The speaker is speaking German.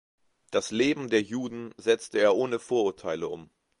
Das Leben der Juden setzte er ohne Vorurteile um.